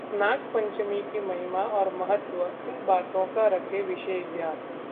नाग पंचमी की महिमा और महत्व, इन बातों का रखें विशेष ध्यान